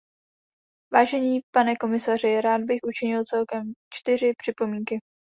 Vážený pane komisaři, rád bych učinil celkem čtyři připomínky.